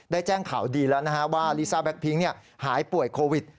แจ้งข่าวดีแล้วนะฮะว่าลิซ่าแก๊กพิ้งหายป่วยโควิด